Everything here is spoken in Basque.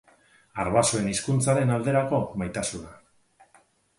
Arbasoen hizkuntzaren alderako maitasuna.